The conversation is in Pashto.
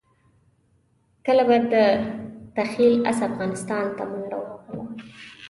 کله به د تخیل اس افغانستان ته منډه ووهله.